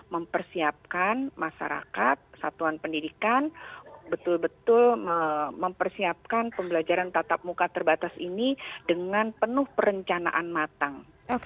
mempersiapkan masyarakat satuan pendidikan betul betul mempersiapkan pembelajaran tatap muka terbatas ini dengan penuh perencanaan matang